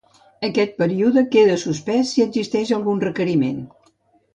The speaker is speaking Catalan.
Aquest període queda suspès si existeix algun requeriment.